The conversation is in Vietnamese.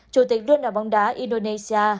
chủ tịch đoàn đoàn bóng đá indonesia